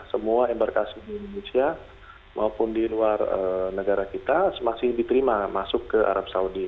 semua embarkasi di indonesia maupun di luar negara kita masih diterima masuk ke arab saudi